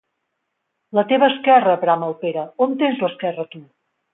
La teva esquerra! —brama el Pere— On tens l'esquerra, tu?